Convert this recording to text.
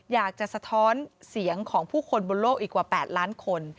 สะท้อนเสียงของผู้คนบนโลกอีกกว่า๘ล้านคน